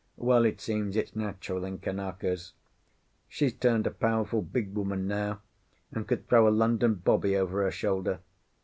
Well, it seems it's natural in Kanakas. She's turned a powerful big woman now, and could throw a London bobby over her shoulder.